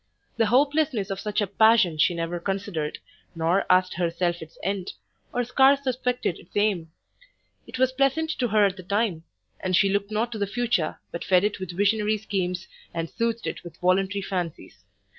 The hopelessness of such a passion she never considered, nor asked herself its end, or scarce suspected its aim; it was pleasant to her at the time, and she looked not to the future, but fed it with visionary schemes, and soothed it with voluntary fancies.